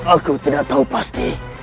aku tidak tahu pasti